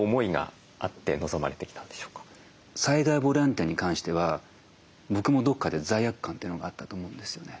災害ボランティアに関しては僕もどこかで罪悪感というのがあったと思うんですよね。